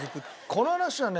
この話はね